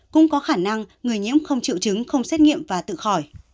cũng có khả năng người nhiễm không triệu chứng không xét nghiệm và tự khỏi